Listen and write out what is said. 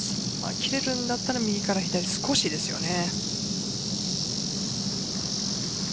切れるんだったら右から左少しですよね。